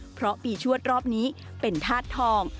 เพราะปีชวดรอบนี้เป็นธาตุทอง